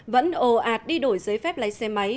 vẫn ồ ạt đi đổi giấy phép lái xe máy